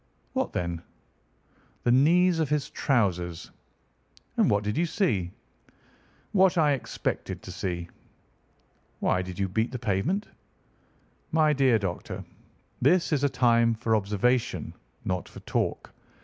"What then?" "The knees of his trousers." "And what did you see?" "What I expected to see." "Why did you beat the pavement?" "My dear doctor, this is a time for observation, not for talk.